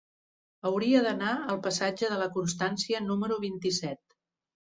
Hauria d'anar al passatge de la Constància número vint-i-set.